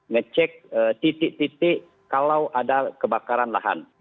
ngecek titik titik kalau ada kebakaran lahan